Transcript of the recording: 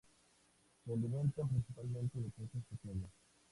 Se alimentan principalmente de peces pequeños.